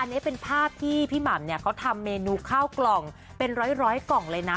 อันนี้เป็นภาพที่พี่หม่ำเนี่ยเขาทำเมนูข้าวกล่องเป็นร้อยกล่องเลยนะ